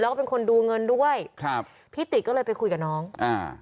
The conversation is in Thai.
แล้วก็เป็นคนดูเงินด้วยครับพี่ติก็เลยไปคุยกับน้องอ่า